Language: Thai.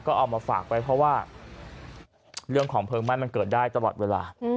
ก็เอามาฝากไว้เพราะว่าเรื่องของเพลิงไหม้มันเกิดได้ตลอดเวลา